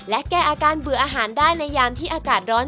และแก้อาการเบื่ออาหารได้ในยามที่อากาศร้อน